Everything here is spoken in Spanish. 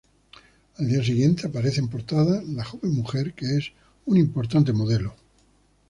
Al día siguiente aparece en portada la joven mujer que es una importante modelo.